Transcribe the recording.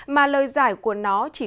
mà lời giải của ninh bình phú yên phú yên